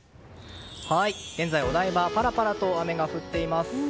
現在、お台場パラパラと雨が降っています。